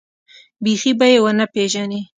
بيخي به يې ونه پېژنې.